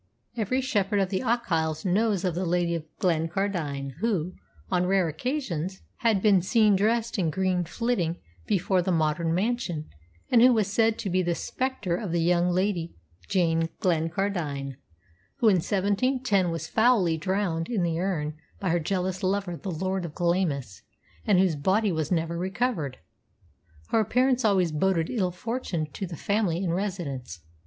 Every shepherd of the Ochils knows of the Lady of Glencardine who, on rare occasions, had been seen dressed in green flitting before the modern mansion, and who was said to be the spectre of the young Lady Jane Glencardine, who in 1710 was foully drowned in the Earn by her jealous lover, the Lord of Glamis, and whose body was never recovered. Her appearance always boded ill fortune to the family in residence.